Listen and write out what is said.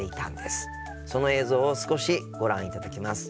その映像を少しご覧いただきます。